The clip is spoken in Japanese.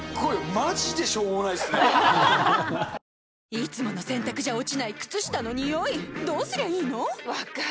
いつもの洗たくじゃ落ちない靴下のニオイどうすりゃいいの⁉分かる。